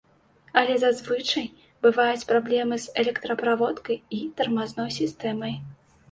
Але зазвычай бываюць праблемы з электраправодкай і тармазной сістэмай.